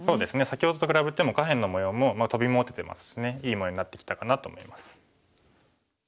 先ほどと比べても下辺の模様もトビも打ててますしねいい模様になってきたかなと思います。